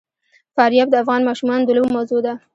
فاریاب د افغان ماشومانو د لوبو موضوع ده.